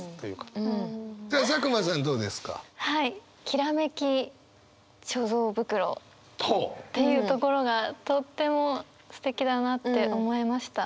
「きらめき貯蔵袋」っていうところがとてもすてきだなって思いました。